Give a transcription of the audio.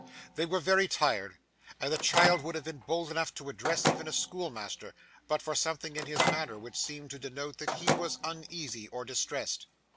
They were very tired, and the child would have been bold enough to address even a schoolmaster, but for something in his manner which seemed to denote that he was uneasy or distressed.